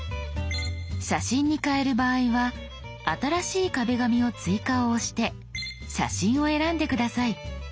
写真に変える場合は「新しい壁紙を追加」を押して「写真」を選んで下さい。